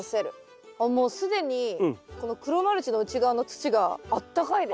もう既にこの黒マルチの内側の土があったかいです。